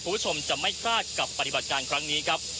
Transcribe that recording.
คุณผู้ชมจะไม่พลาดกับปฏิบัติการครั้งนี้ครับ